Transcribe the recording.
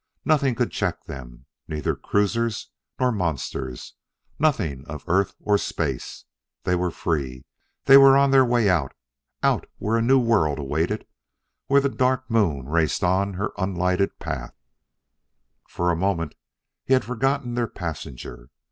Nothing could check them; neither cruisers nor monsters; nothing of earth or of space. They were free; they were on their way out out where a new world awaited where the Dark Moon raced on her unlighted path! For the moment he had forgotten their passenger.